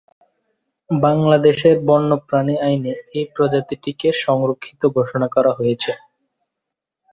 বাংলাদেশের বন্যপ্রাণী আইনে এ প্রজাতিটিকে সংরক্ষিত ঘোষণা করা হয়েছে।